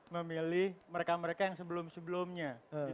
memilih mereka mereka yang sebelum sebelumnya